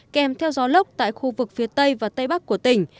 kèm theo gió lốc tại khu vực phía tây và tây bắc của tỉnh